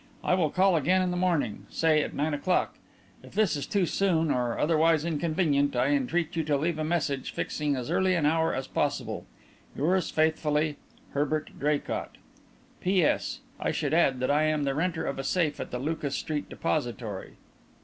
I will call again in the morning, say at nine o'clock. If this is too soon or otherwise inconvenient I entreat you to leave a message fixing as early an hour as possible. Yours faithfully, HERBERT DRAYCOTT." "P.S. I should add that I am the renter of a safe at the Lucas Street depository.